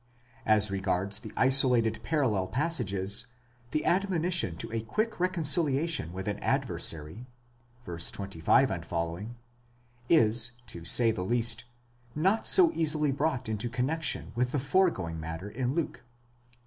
9 As regards the isolated parallel passages, the admonition to a quick recon ciliation with an adversary (v. 25 f.), is, to say the least, not so easily brought into connexion with the foregoing matter in Luke (xii.